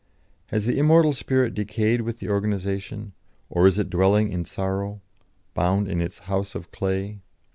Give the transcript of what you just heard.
Has the immortal spirit decayed with the organisation, or is it dwelling in sorrow, bound in its 'house of clay'?